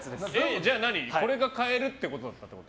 じゃあ何、これが変えるやつだったってこと？